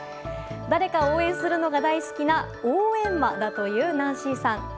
誰かを応援するのが大好きな応援魔だというｎａｎｃｙさん。